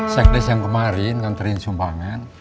sekdes yang kemarin kan terin sumbangan